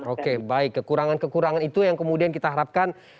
oke baik kekurangan kekurangan itu yang kemudian kita harapkan